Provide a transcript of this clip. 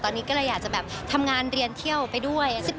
ตอนนี้ก็เลยอยากจะแบบทำงานเรียนเที่ยวไปด้วย